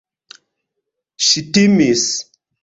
Ŝi timis.